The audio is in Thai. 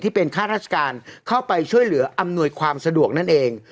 ข้าราชการเข้าไปช่วยเหลืออำนวยความสะดวกนั่นเอง